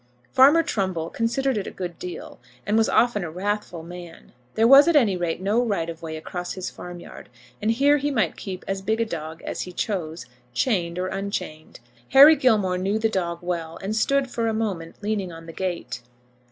Farmer Trumbull considered it a good deal, and was often a wrathful man. There was at any rate no right of way across his farmyard, and here he might keep as big a dog as he chose, chained or unchained. Harry Gilmore knew the dog well, and stood for a moment leaning on the gate.